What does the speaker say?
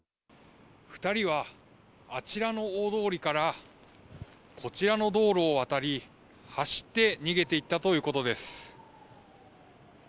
２人は、あちらの大通りから、こちらの道路を渡り、走って逃げていったということです。